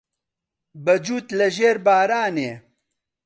بە جووت لە ژێر بارانێ